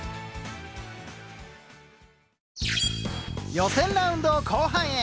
予選ラウンド後半へ。